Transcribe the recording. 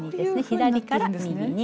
左から右に。